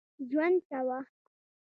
ژوند کاوه.